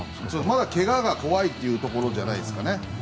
まだけがが怖いというところじゃないですかね。